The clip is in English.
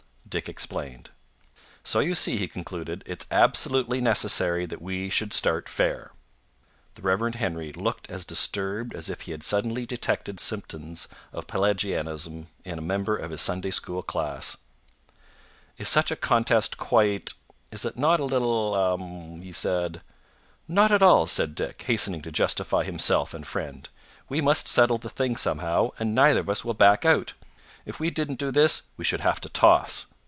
Dick explained. "So you see," he concluded, "it's absolutely necessary that we should start fair." The Rev. Henry looked as disturbed as if he had suddenly detected symptoms of Pelagianism in a member of his Sunday school class. "Is such a contest quite ? Is it not a little um?" he said. "Not at all," said Dick, hastening to justify himself and friend. "We must settle the thing somehow, and neither of us will back out. If we didn't do this we should have to toss."